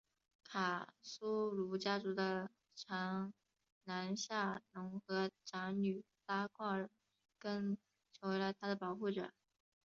卡苏鲁家族的长男夏农和长女拉蔻儿更成为了她的保护者。